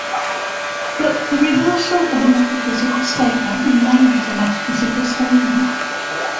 But the reversal of a metaphysical statement remains a metaphysical statement.